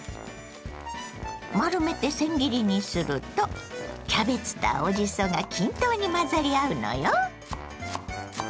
丸めてせん切りにするとキャベツと青じそが均等に混ざり合うのよ。